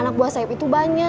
anak buah sayap itu banyak